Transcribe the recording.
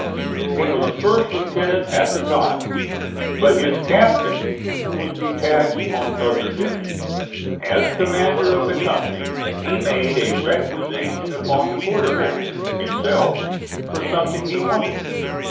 He was first lieutenant at the time, but his captain was detached on other duty. As commander of the company he made a requisition upon the quartermaster himself for something he wanted.